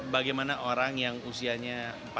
bagaimana orang yang usianya empat puluh enam